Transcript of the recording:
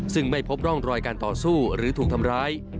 ซึ่งไม่พบร่องรอยการต่อสู้หรือถูกทำร้าย